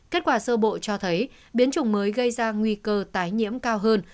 kết quả sơ bộ cho thấy biến chủng mới gây ra nguy cơ tái nhiễm cao hơn